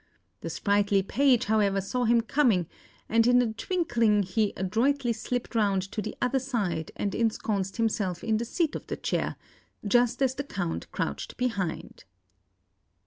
The sprightly page, however, saw him coming, and in a twinkling he adroitly slipped round to the other side and ensconced himself in the seat of the chair, just as the Count crouched behind.